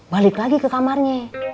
balik lagi ke kamarnya